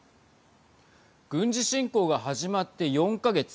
軍事侵攻が始まって４か月。